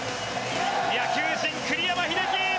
野球人・栗山英樹。